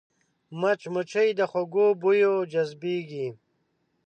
مچمچۍ د خوږو بویو جذبېږي